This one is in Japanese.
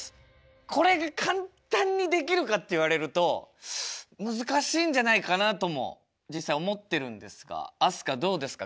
これが簡単にできるかって言われると難しいんじゃないかなとも実際思ってるんですが飛鳥どうですか？